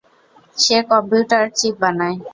সে computer chip বানায়।